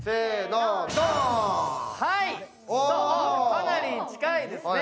かなり近いですね。